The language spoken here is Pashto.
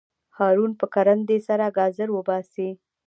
هارون په کرندي سره ګازر وباسي.